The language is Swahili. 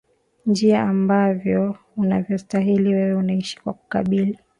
njia ambavyo unavyostahili wewe unaishi kwa kubali